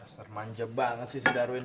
rasar manja banget sih si darwin